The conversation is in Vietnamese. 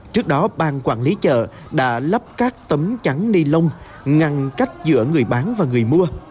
trước đó bang quản lý chợ đã lắp các tấm chắn ni lông ngăn cách giữa người bán và người mua